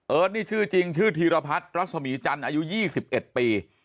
นี่ชื่อจริงชื่อธีรพัฒน์รัศมีจันทร์อายุ๒๑ปี